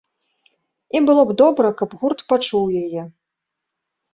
І было б добра, каб гурт пачуў яе.